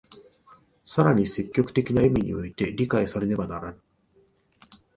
更に積極的な意味において理解されねばならぬ。